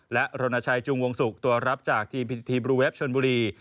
และรณชัยจุงวงศุกร์ตัวรับจากทีมพิธีบลูเวฟชนบุรี